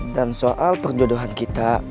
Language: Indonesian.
dan soal perjodohan kita